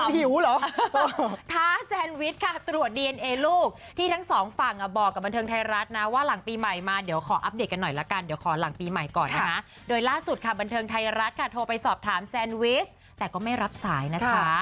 หิวเหรอท้าแซนวิชค่ะตรวจดีเอนเอลูกที่ทั้งสองฝั่งบอกกับบันเทิงไทยรัฐนะว่าหลังปีใหม่มาเดี๋ยวขออัปเดตกันหน่อยละกันเดี๋ยวขอหลังปีใหม่ก่อนนะคะโดยล่าสุดค่ะบันเทิงไทยรัฐค่ะโทรไปสอบถามแซนวิชแต่ก็ไม่รับสายนะคะ